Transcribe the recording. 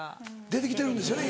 出て来てるんですよね